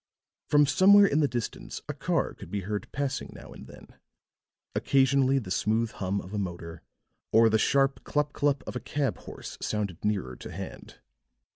From somewhere in the distance a car could be heard passing now and then; occasionally the smooth hum of a motor, or the sharp "clup clup" of a cab horse sounded nearer at hand.